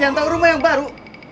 yang tau rumah yang baru